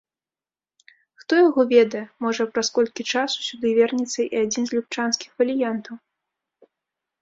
Хто яго ведае, можа праз колькі часу сюды вернецца і адзін з любчанскіх фаліянтаў.